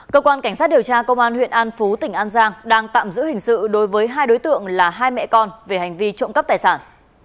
cơ quan cảnh sát điều tra công an huyện an phú tỉnh an giang đang tạm giữ hình sự đối với hai đối tượng là hai mẹ con về hành vi trộm cắp tài sản